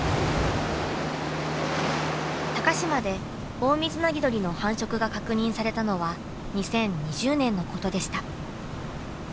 高島でオオミズナギドリの繁殖が確認されたのは２０２０年のことでした。